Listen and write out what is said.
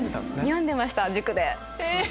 読んでました塾で。